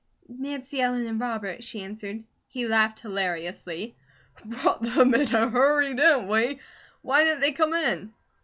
"Nancy Ellen and Robert," she answered. He laughed hilariously: "Brought them in a hurry, didn't we? Why didn't they come in?"